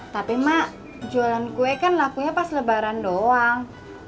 tapi mak jualan kue kan lakunya pas lebaran doang